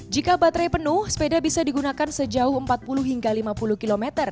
jika baterai penuh sepeda bisa digunakan sejauh empat puluh hingga lima puluh km